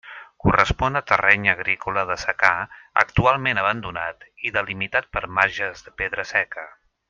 Correspon a terreny agrícola de secà actualment abandonat i delimitat per marges de pedra seca.